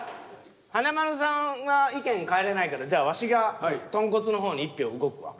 華丸さんは意見変えれないからじゃあワシが豚骨の方に１票動くわ。